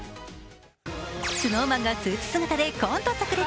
ＳｎｏｗＭａｎがスーツ姿でコントさく裂。